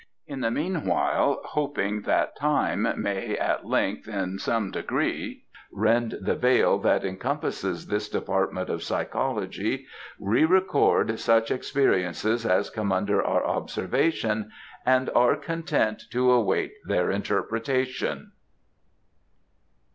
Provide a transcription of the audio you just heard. In the meanwhile, hoping that time may, at length, in some degree, rend the veil that encompasses this department of psychology, we record such experiences as come under our observation and are content to await their interpretation.